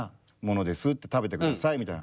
食べてください」みたいな。